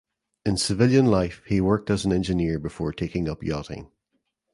In civilian life he worked as an engineer before taking up yachting.